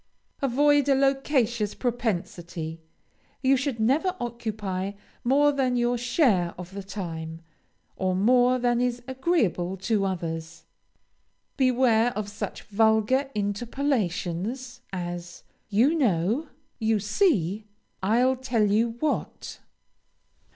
Avoid a loquacious propensity; you should never occupy more than your share of the time, or more than is agreeable to others. Beware of such vulgar interpolations as "You know," "You see," "I'll tell you what."